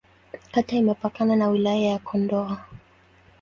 Kata imepakana na Wilaya ya Kondoa.